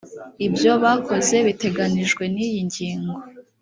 ibyo bakoze biteganijwe n iyi ngingo